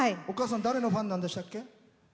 お母さん誰のファンなんでしたっけ？